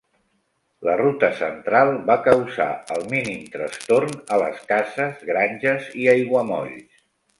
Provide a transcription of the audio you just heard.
La ruta central va causar el mínim trastorn a les cases, granges i aiguamolls.